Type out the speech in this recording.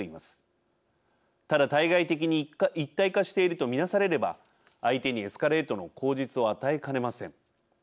ただ対外的に一体化していると見なされれば相手にエスカレートの口実を与えかねません。